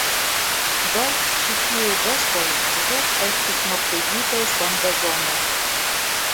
Do ĉi tiuj bestoj ĵus estis mortigitaj sen bezono.